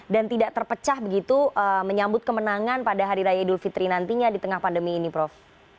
dan tidak terpecah begitu menyambut kemenangan pada hari raya idul fitri nantinya di tengah pandemi ini prof